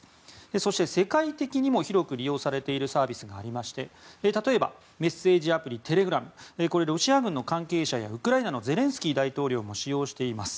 そして、世界的にも広く利用されているサービスがあり例えばメッセージアプリ、テレグラムロシア軍の関係者やウクライナのゼレンスキー大統領も使用しています。